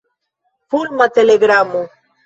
Fulma telegramo.